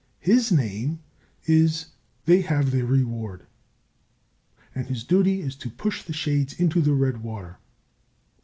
His name is They have their reward, and his duty is to push the shades into the red water.